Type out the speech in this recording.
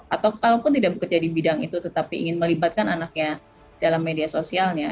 atau kalaupun tidak bekerja di bidang itu tetapi ingin melibatkan anaknya dalam media sosialnya